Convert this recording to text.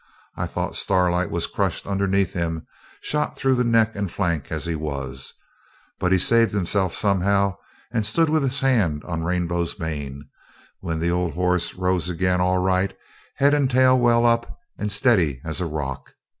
I thought Starlight was crushed underneath him, shot through the neck and flank as he was, but he saved himself somehow, and stood with his hand on Rainbow's mane, when the old horse rose again all right, head and tail well up, and as steady as a rock.